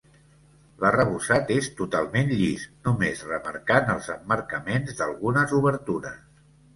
L'arrebossat és totalment llis, només remarcant els emmarcaments d'algunes obertures.